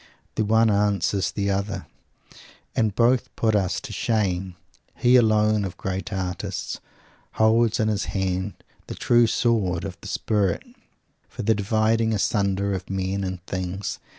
The one answers the other. And both put us to shame. He, alone of great artists, holds in his hand the true sword of the Spirit for the dividing asunder of men and things.